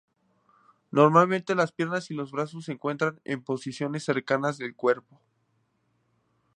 Normalmente las piernas y los brazos se encuentran en posiciones cerca del cuerpo.